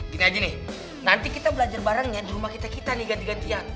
gini aja nih nanti kita belajar bareng ya di rumah kita kita nih ganti gantian